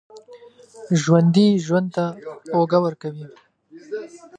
ژوندي ژوند ته اوږه ورکوي